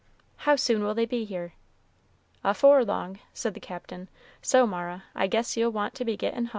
"How soon will they be here?" "Afore long," said the Captain; "so, Mara, I guess you'll want to be getting hum."